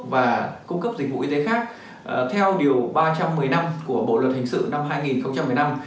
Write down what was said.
và cung cấp dịch vụ y tế khác theo điều ba trăm một mươi năm của bộ luật hình sự năm hai nghìn một mươi năm